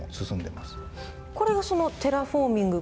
これがそのテラフォーミング